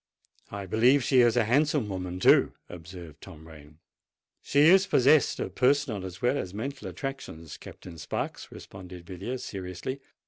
"I believe she is a handsome woman, too!" observed Tom Rain. "She is possessed of personal as well as mental attractions, Captain Sparks," responded Villiers seriously.